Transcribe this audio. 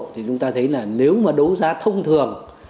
thì chúng ta thấy là nếu mà đấu giá thông thường